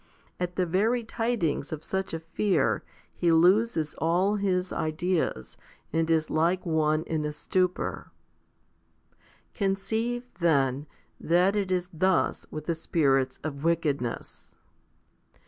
At the very tidings of such a fear, he loses all his ideas, and is like one in a stupor. 49. Conceive, then, that it is thus with the spirits of wickedness.